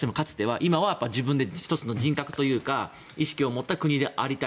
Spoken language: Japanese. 今は自分で１つの人格というか意識を持った国でありたい。